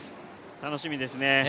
楽しみですね